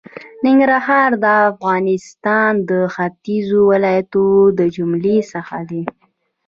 ننګرهار د افغانستان د ختېځو ولایتونو د جملې څخه دی.